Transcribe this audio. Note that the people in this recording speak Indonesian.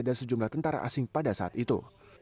dan sejumlah tentara asing pada saat itu